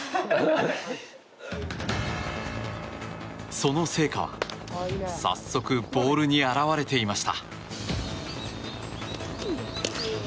その成果は早速ボールに現れていました。